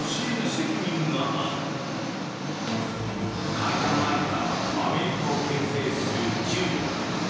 会談前からアメリカをけん制する中国。